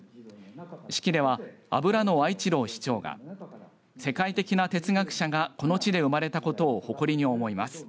式では、油野和一郎市長が世界的な哲学者がこの地で生まれたことを誇りに思います。